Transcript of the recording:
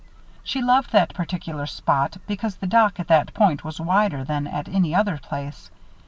She loved that particular spot because the dock at that point was wider than at any other place.